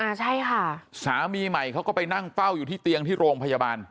ใช่ค่ะสามีใหม่เขาก็ไปนั่งเฝ้าอยู่ที่เตียงที่โรงพยาบาล